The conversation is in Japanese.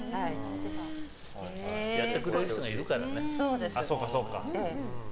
やってくれる人がいるからね。